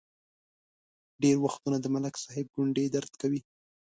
ډېر وختونه د ملک صاحب ګونډې درد کوي.